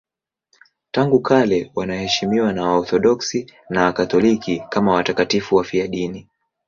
Tangu kale wanaheshimiwa na Waorthodoksi na Wakatoliki kama watakatifu wafiadini.